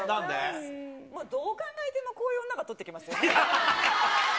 どう考えてもこういう女がとってきますよね。